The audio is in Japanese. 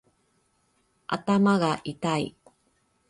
頭がいたい